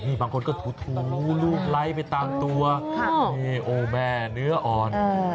นี่บางคนก็ถูลูกไล่ไปตามตัวนี่โอ้แม่เนื้ออ่อน